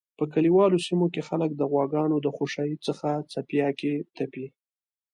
په کلیوالو سیمو کی خلک د غواګانو د خوشایی څخه څپیاکی تپی